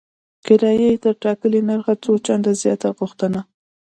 کرایه یې تر ټاکلي نرخ څو چنده زیاته وغوښته.